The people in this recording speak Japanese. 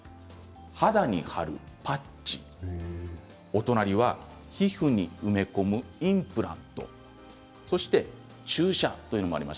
肌に貼るパッチや皮膚に埋め込むインプラントそして注射というのもあります。